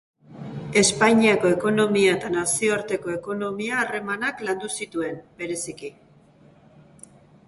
Espainiako ekonomia eta nazioarteko ekonomia-harremanak landu zituen, bereziki.